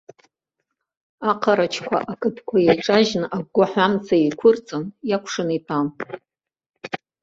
Аҟарачқәа ақыдқәа еиҿажьны агәгәаҳәа амца еиқәырҵан, иакәшаны итәан.